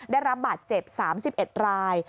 ได้รับบาดเจ็บ๓๑ราย